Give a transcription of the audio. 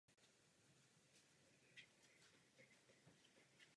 Mají omezené právo rybolovu.